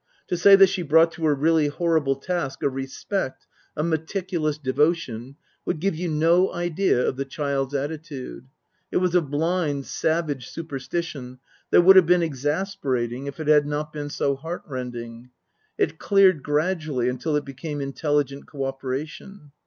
To say that she brought to her really horrible task a respect, a meticulous devotion, would give you no idea of the child's attitude ; it was a blind, savage superstition that would have been exasperating if it had not been so heart rending. It cleared gradually until it became intelligent co operation.